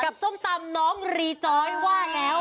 กับจ้มตำน้องลีจอยว่าแล้ว